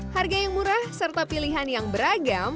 harga yang murah serta pilihan yang beragam